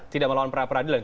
tidak melawan pra peradilan